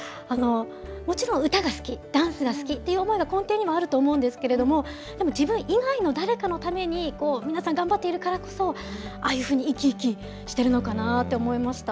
もちろん歌が好き、ダンスが好きっていう思いが根底にはあると思うんですけれども、でも自分以外の誰かのために皆さん頑張っているからこそ、ああいうふうにいきいきしてるのかなと思いました。